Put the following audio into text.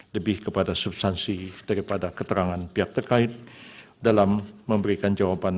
lebih kepada substansi daripada keterangan pihak terkait dalam memberikan jawaban